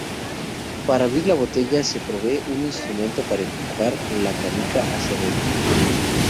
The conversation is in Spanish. Para abrir la botella, se provee un instrumento para empujar la canica hacia dentro.